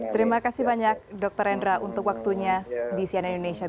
terima kasih banyak dokter rendra untuk waktunya di cnn indonesia